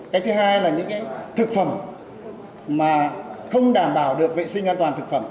cái thứ hai là những cái thực phẩm mà không đảm bảo được vệ sinh an toàn thực phẩm